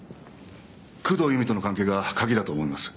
工藤由美との関係が鍵だと思います。